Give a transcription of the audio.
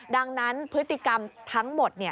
ดังนั้นพฤติกรรมทั้งหมด